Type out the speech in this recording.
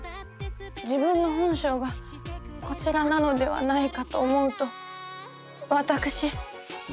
自分の本性がこちらなのではないかと思うと私。